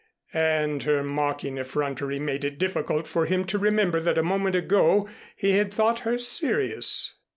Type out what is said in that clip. And her mocking effrontery made it difficult for him to remember that a moment ago he had thought her serious.